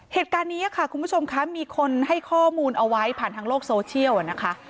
เหตุการณ์นี้ค่ะคุณผู้ชมคะมีคนให้ข้อมูลเอาไว้ผ่านทางโลกโซเชียลนะคะ